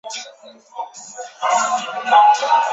此外亦指为结清债务或弥补伤害所支付的和解款项。